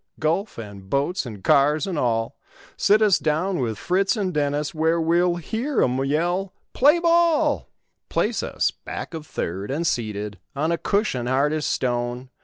Golf and boats and cars and all— Sit us down with Fritz and Dennis Where we'll hear 'em yell ^TLAY BALL 3 ? Place us back of "third" and seated On a cushion hard as stone.